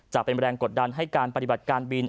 จะเป็นแรงกดดันให้การปฏิบัติการบิน